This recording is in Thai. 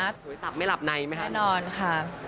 สวยสับไม่หลับในแน่นอนค่ะ